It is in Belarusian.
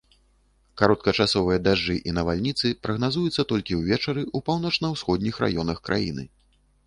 Кароткачасовыя дажджы і навальніцы прагназуюцца толькі ўвечары ў паўночна-усходніх раёнах краіны.